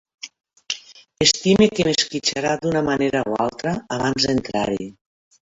Estime que m'esquitxarà d'una manera o altra abans d'entrar-hi.